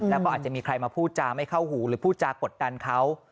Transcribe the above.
แล้วก็อาจจะมีใครมาพูดจาไม่เข้าหูหรือพูดจากกดดันเขา